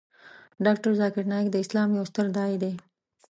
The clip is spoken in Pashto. ډاکتر ذاکر نایک د اسلام یو ستر داعی دی .